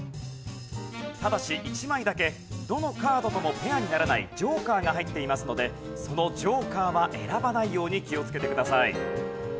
ただし１枚だけどのカードともペアにならないジョーカーが入っていますのでそのジョーカーは選ばないように気をつけてください。